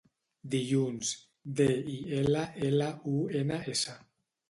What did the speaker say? Dilluns: de, i, ela, ela, u, ena, essa.